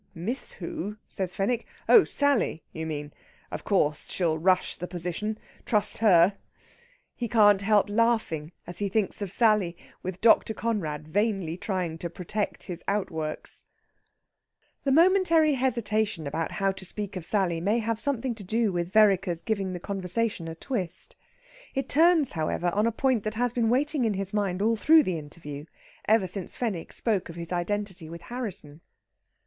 "Miss who?" says Fenwick. "Oh Sally, you mean! Of course she'll rush the position. Trust her!" He can't help laughing as he thinks of Sally, with Dr. Conrad vainly trying to protect his outworks. The momentary hesitation about how to speak of Sally may have something to do with Vereker's giving the conversation a twist. It turns, however, on a point that has been waiting in his mind all through their interview, ever since Fenwick spoke of his identity with Harrisson.